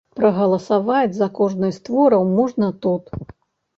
Прагаласаваць за кожны з твораў можна тут.